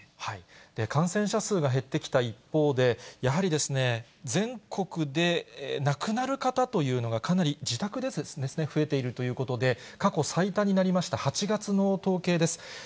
感染者数が減ってきた一方で、やはり全国で亡くなる方というのがかなり、自宅でですね、増えているということで、過去最多になりました、８月の統計です。